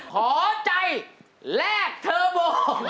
ขอใจแลกเทอร์โบ